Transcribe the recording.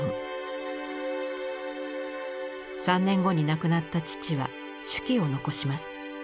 ３年後に亡くなった父は手記を残します。